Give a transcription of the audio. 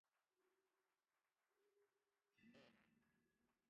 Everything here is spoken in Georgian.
მოდით გავყვეთ ამ ხაზს და ვნახოთ რა რიცხვი შეიძლება იყოს აქ.